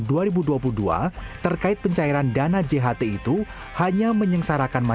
keputusan pemerintah aturan pencairan dana jaminan hadiah dan kegiatan kegiatan kegiatan